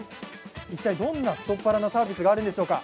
一体、どんな太っ腹なサービスがあるんでしょうか。